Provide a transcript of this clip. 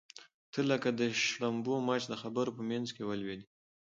ته لکه د شړومبو مچ د خبرو په منځ کې ولوېدې.